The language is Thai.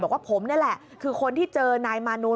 บอกว่าผมนี่แหละคือคนที่เจอนายมานูล